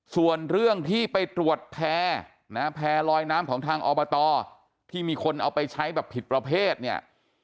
ส่วนเรื่องที่ไปตรวจแพร่นะแพร่ลอยน้ำของทางอบตที่มีคนเอาไปใช้แบบผิดประเภทเนี่ย